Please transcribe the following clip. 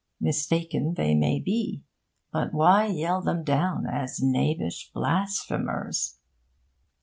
Mistaken they may be; but why yell them down as knavish blasphemers?